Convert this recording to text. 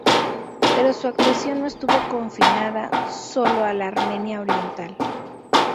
Pero su actuación no estuvo confinada sólo a la Armenia oriental.